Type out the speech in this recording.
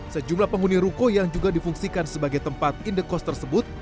sejumlah penghuni ruko yang juga difungsikan sebagai tempat indekos tersebut